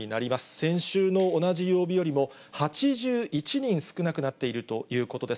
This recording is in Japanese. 先週の同じ曜日よりも、８１人少なくなっているということです。